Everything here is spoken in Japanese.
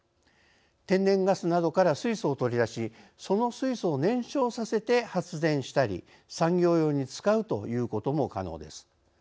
天然ガスなどから水素を取り出しその水素を燃焼させて発電したり産業用に使うということも可能です。